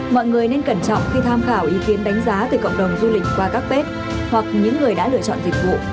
mọi người nên cẩn trọng khi tham khảo ý kiến đánh giá từ cộng đồng du lịch qua các bếp hoặc những người đã lựa chọn dịch vụ